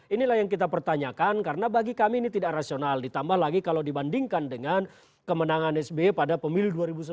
inilah yang kita pertanyakan karena bagi kami ini tidak rasional ditambah lagi kalau dibandingkan dengan kemenangan sby pada pemilu dua ribu sembilan belas